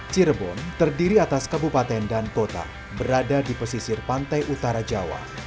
cirebon terdiri atas kabupaten dan kota berada di pesisir pantai utara jawa